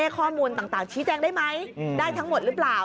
ข้อมูลต่างชี้แจงได้ไหมได้ทั้งหมดหรือเปล่า